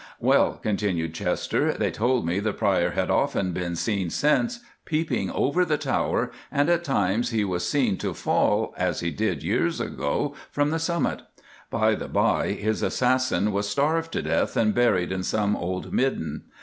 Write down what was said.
"Well," continued Chester, "they told me the Prior had often been seen since peeping over the tower, and at times he was seen to fall, as he did years ago, from the summit. By the bye, his assassin was starved to death and buried in some old midden.